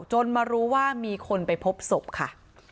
มารู้ว่ามีคนไปพบศพค่ะ